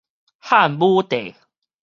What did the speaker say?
漢武帝